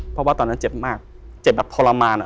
เพราะว่าตอนนั้นเจ็บมากเจ็บแบบทรมานอ่ะ